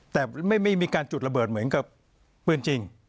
แต่ไม่มีการจุดระเบิดเหมือนกับปืนจริง